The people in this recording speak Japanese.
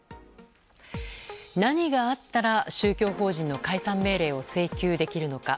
何があったら宗教法人の解散命令を請求できるのか。